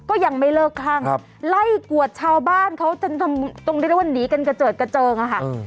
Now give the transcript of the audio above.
ก็ยังไม่เลิกทางครับไล่กวดชาวบ้านเขาจนทำตรงนี้ได้ว่านีกันเกราะเจิดเกราะเจิงอ่ะค่ะอืม